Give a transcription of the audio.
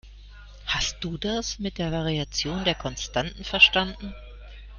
Hast du das mit der Variation der Konstanten verstanden?